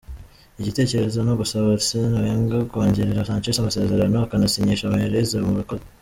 igitekerezo nugusaba arsene wengar kongerera sanchez amasezerano akanasinyisha mahrez murakoze?.